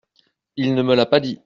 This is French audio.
Il ne me l’a pas dit.